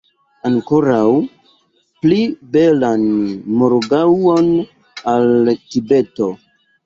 Ankoraŭ pli belan morgaŭon al Tibeto!